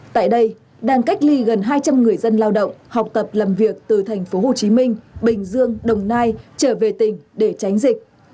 tại đây đang cách ly gần hai trăm linh người dân lao động học tập làm việc từ tp hcm bình dương đồng nai trở về tỉnh để tránh dịch